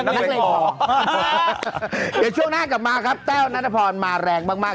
เดี๋ยวช่วงหน้ากลับมาครับแต้วนัทพรมาแรงมากมาก